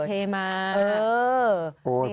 เทมา